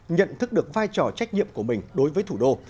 nhận thức được vai trò trách nhiệm của mình đối với thủ đô